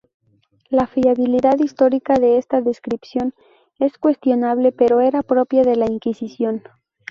La fiabilidad histórica de esta descripción es cuestionable, pero era propia de la inquisición.